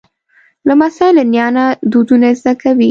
لمسی له نیا نه دودونه زده کوي.